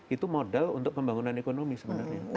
itu modal untuk pembangunan ekonomi sebenarnya